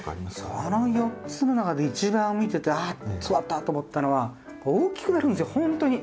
その４つの中で一番見てて「あっそうだった！」と思ったのは大きくなるんですよほんとに。